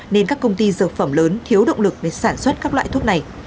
nên các công ty dược phẩm lớn thiếu động lực để sản xuất các loại thuốc này